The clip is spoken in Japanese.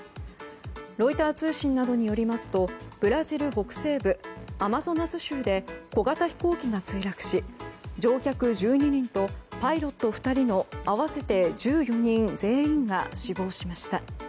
ロイター通信などによりますとブラジル北西部アマゾナス州で小型飛行機が墜落し乗客１２人とパイロット２人の合わせて１４人全員が死亡しました。